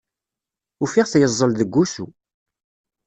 Ufiɣ-t yeẓẓel deg wusu.